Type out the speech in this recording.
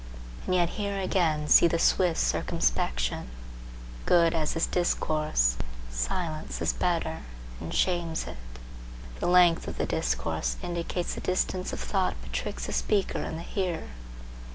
And yet here again see the swift circumspection! Good as is discourse, silence is better, and shames it. The length of the discourse indicates the distance of thought betwixt the speaker and the hearer.